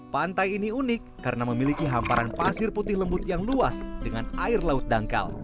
pantai ini unik karena memiliki hamparan pasir putih lembut yang luas dengan air laut dangkal